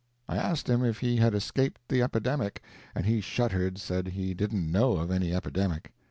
I asked him if he had escaped the epidemic, and he shuddered said he didn't know of any epidemic.